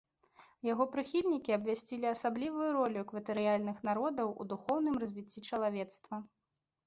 Яго прыхільнікі абвясцілі асаблівую ролю экватарыяльных народаў у духоўным развіцці чалавецтва.